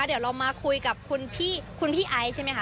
เดี๋ยวเรามาคุยกับคุณพี่ไอซ์ใช่ไหมคะ